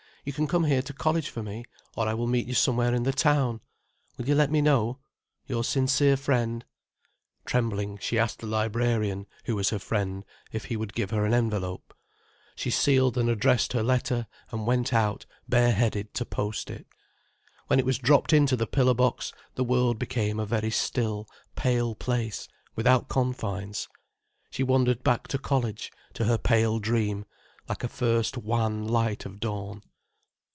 You can come here to college for me, or I will meet you somewhere in the town. Will you let me know? Your sincere friend——" Trembling, she asked the librarian, who was her friend, if he would give her an envelope. She sealed and addressed her letter, and went out, bare headed, to post it. When it was dropped into the pillar box, the world became a very still, pale place, without confines. She wandered back to college, to her pale dream, like a first wan light of dawn.